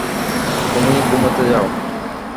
তুমি ঘুমুতে যাও।